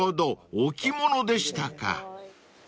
置物でしたか］